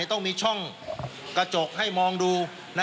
ต้องมีช่องกระจกให้มองดู